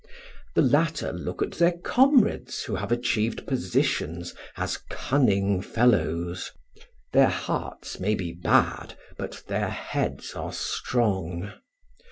The latter look at their comrades who have achieved positions as cunning fellows; their hearts may be bad, but their heads are strong.